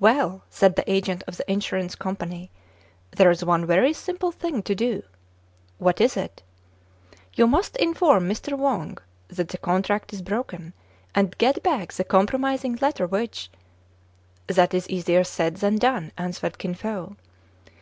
"Well," said the agent of the insurance com pany, "there is one very simple thing to do." "What is it.?" " You must inform Mr. Wang that the contract is broken, and get back the compromising letter which "— "That is easier said than done," answered Kin Fo.